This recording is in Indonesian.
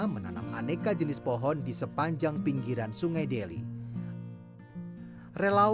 sekalian ngajari anak anak juga